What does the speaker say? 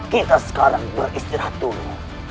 kita sekarang beristirahat dulu